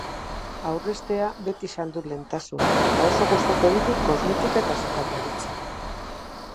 Aurreztea beti izan dut lehentasun eta oso gustuko ditut kosmetika eta sukaldaritza.